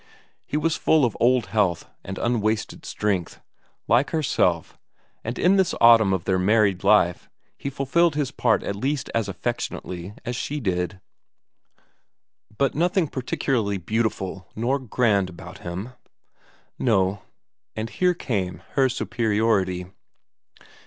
He was full of old health and unwasted strength, like herself, and in this autumn of their married life he fulfilled his part at least as affectionately as she did. But nothing particularly beautiful nor grand about him? No. And here came her superiority.